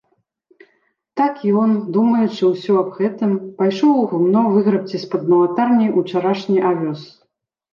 Так ён, думаючы ўсё аб гэтым, пайшоў у гумно выграбці з-пад малатарні ўчарашні авёс.